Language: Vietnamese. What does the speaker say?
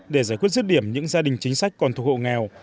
để giải quyết rứt điểm những gia đình chính sách còn thuộc hộ nghèo